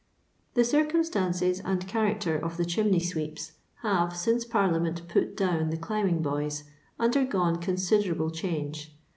The circumstances and character of the chimney sweeps have, since Parliament " put down " the climbing boys, undergone considerable change.